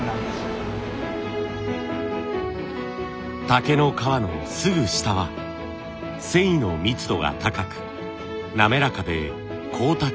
竹の皮のすぐ下は繊維の密度が高く滑らかで光沢があります。